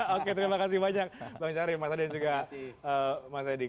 oke terima kasih banyak bang syarif mas adi dan juga mas edi